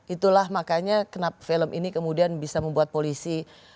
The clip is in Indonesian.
itulah makanya kenapa film ini kemudian bisa membuat polisi